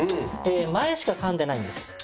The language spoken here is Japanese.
前しか噛んでないんです。